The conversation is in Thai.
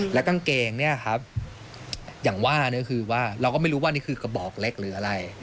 และกางเกงอย่างว่าเราก็ไม่รู้ว่านี่คือกระบอกเล็กหรืออะไร